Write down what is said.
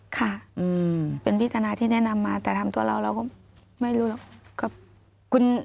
ค่ะเป็นพี่ธนาที่แนะนำมาแต่ทำตัวเราเราก็ไม่รู้หรอก